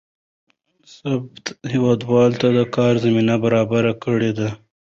ثبات هېوادوالو ته د کار زمینه برابره کړې ده.